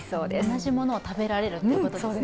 同じものを食べられるということですね。